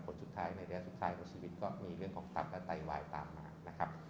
ผลสุดท้ายในระยะสุดท้ายของชีวิตก็มีเรื่องของสัตว์และไตวายตามมานะครับ